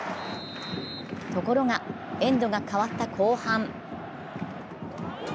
ところがエンドが変わった後半。